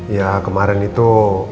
iya kemarin itu